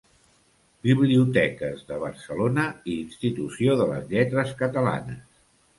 Biblioteques de Barcelona i Institució de les Lletres Catalanes.